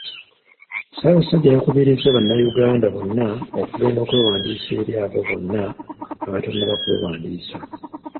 Ssaabasajja yakubiriza bannayuganda bonna okugenda okwewandiisa eri abo bonna abatannaba kwewandiisa.